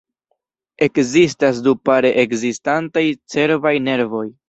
Ekzistas du pare ekzistantaj cerbaj nervoj.